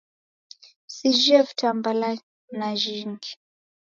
Sijhie vitambala najhingi